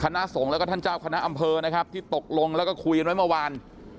คณะสงฆ์แล้วก็ท่านเจ้าคณะอำเภอนะครับที่ตกลงแล้วก็คุยกันไว้เมื่อวาน